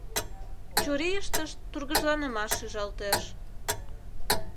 Чурийыштышт тургыжланымаш шижалтеш.